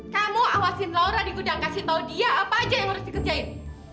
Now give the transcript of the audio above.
kamu awasin laura di gudang kasih tau dia apa aja yang harus dikerjain